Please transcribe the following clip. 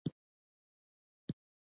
د ببرک پنیر او پیروی خوښیږي.